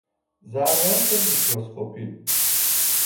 ذرات میکروسکوپی